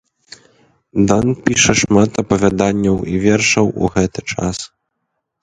Дан піша шмат апавяданняў і вершаў у гэты час.